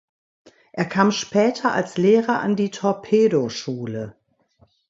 Er kam später als Lehrer an die Torpedoschule.